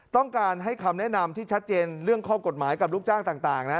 ต้องการให้คำแนะนำที่ชัดเจนเรื่องข้อกฎหมายกับลูกจ้างต่างนะ